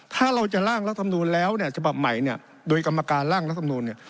ถ้าเราจะล่างรัฐบาลแล้วจะปรับใหม่โดยกรรมการล่างรัฐบาลนูน